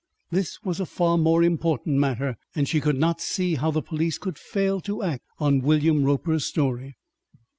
This was a far more important matter, and she could not see how the police could fail to act on William Roper's story.